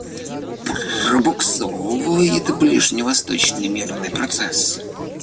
Пробуксовывает ближневосточный мирный процесс.